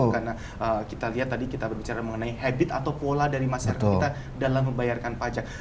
karena kita lihat tadi kita berbicara mengenai habit atau pola dari masyarakat kita dalam membayarkan pajak